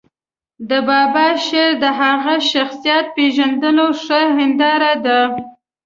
د بابا شعر د هغه شخصیت پېژندلو ښه هنداره ده.